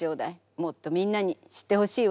もっとみんなに知ってほしいわ。